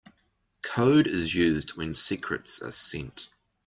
Code is used when secrets are sent.